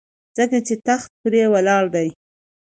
ځکه چې تخت پرې ولاړ دی.